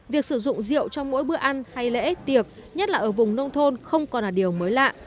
việc sử dụng rượu trong mỗi bữa ăn hay lễ tiệc nhất là ở vùng nông thôn không còn là điều mới lạ